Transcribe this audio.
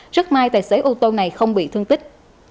rất may tài xế ô tô này không bị thương tích